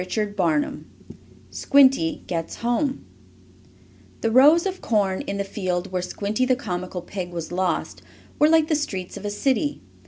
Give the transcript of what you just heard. CHAPTER IV SQUINTY GETS HOME The rows of corn, in the field where Squinty the comical pig was lost, were like the streets of a city.